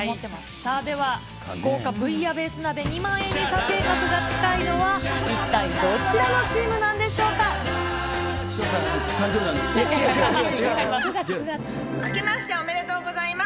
さあ、では豪華ブイヤベース鍋２万円に査定額が近いのは、一体どちらのチームなんでしょう潮田さん、誕生日なんです。